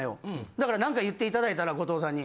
だから何か言っていただいたら後藤さんに。